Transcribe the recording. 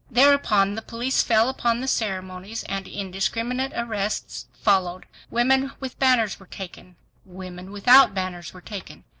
Thereupon the police fell upon the ceremonies, and indiscriminate arrests followed. Women with banners were taken; women without banners were taken.